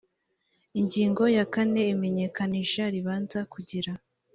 ingingo ya kane imenyekanisha ribanza kugira